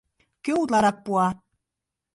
Кӧ утларак пуа?